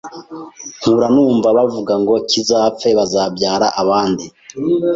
nkura numva bavuga ngo kizapfe bazabyara abandi